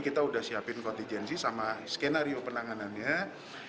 kita sudah siapkan kontegensi sama skenario penanganannya